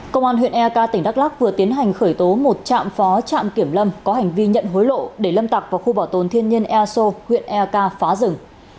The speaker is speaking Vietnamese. công an huyện ek tỉnh đắk lắc vừa tiến hành khởi tố một trạm phó trạm kiểm lâm có hành vi nhận hối lộ để lâm tặc vào khu bảo tồn thiên nhiên eso huyện ek phá rừng